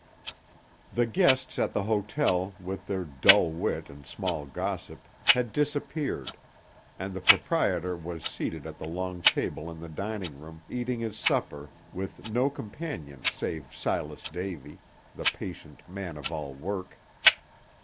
The guests at the hotel, with their dull wit and small gossip, had disappeared, and the proprietor was seated at the long table in the dining room, eating his supper, with no companion save Silas Davy, the patient man of all work.